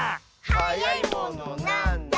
「はやいものなんだ？」